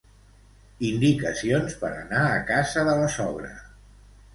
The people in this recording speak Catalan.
Indicacions per anar a casa de la sogra.